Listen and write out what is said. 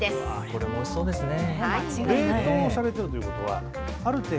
これもおいしそうですね。